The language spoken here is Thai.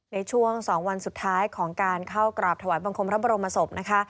ในช่วง๒วันสุดท้ายของการเข้ากราบถวายบังคมพระบรมศพนะคะ